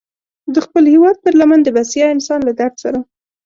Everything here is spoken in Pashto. د خپل هېواد پر لمن د بسیا انسان له درد سره.